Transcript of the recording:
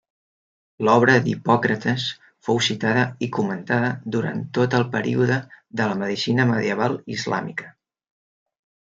L'obra d'Hipòcrates fou citada i comentada durant tot el període de la medicina medieval islàmica.